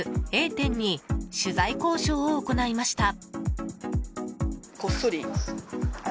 Ａ店に取材交渉を行いました。